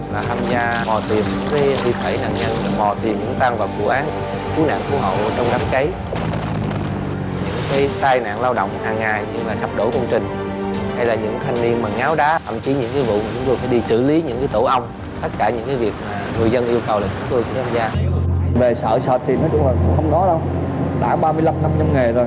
họ tham gia mò tiệm thi thể nạn nhanh mò tiệm những tăng vật vụ án cứu nạn cứu hộ trong đám cháy